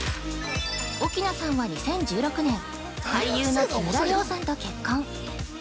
奥菜さんは２０１６年、俳優の木村了さんと結婚。